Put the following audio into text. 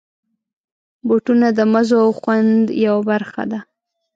بوټونه د مزو او خوند یوه برخه ده.